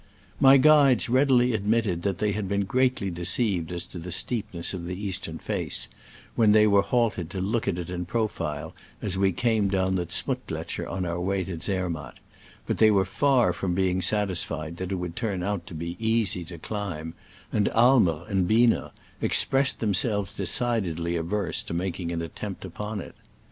My guides readily admitted that they had been greatly deceived as to the steepness of the eastern face, when they were halted to look at it in profile as we came down the Z'Muttgletscher on our way to Zermatt, but they were far from being satisfied that it would turn out to be easy to climb, and Aimer and Biener expressed themselves decidedly averse to making an attempt upon it.